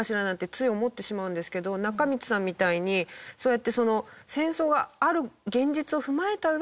つい思ってしまうんですけど中満さんみたいにそうやってその。